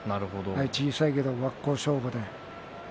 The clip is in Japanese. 小さいけれども真っ向勝負です。